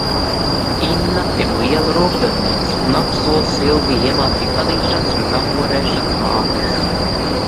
Inna ir liela rokdarbniece un apsola Silviju iemācīt adīšanas un tamborēšanas mākās.